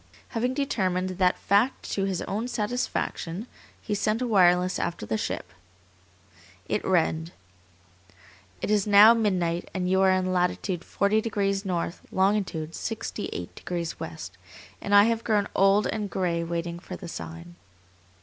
Having determined that fact to his own satisfaction, he sent a wireless after the ship. It read: "It is now midnight and you are in latitude 40 degrees north, longitude 68 degrees west, and I have grown old and gray waiting for the sign."